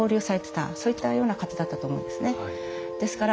そういったような方だったと思うんですね。